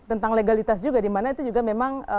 tentang legalitas juga di mana itu juga memang